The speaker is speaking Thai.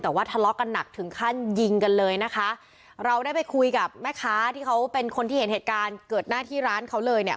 แต่ว่าทะเลาะกันหนักถึงขั้นยิงกันเลยนะคะเราได้ไปคุยกับแม่ค้าที่เขาเป็นคนที่เห็นเหตุการณ์เกิดหน้าที่ร้านเขาเลยเนี่ย